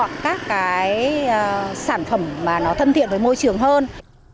chúng tôi sẽ chọn các cái sản phẩm mà nó thân thiện với môi trường hơn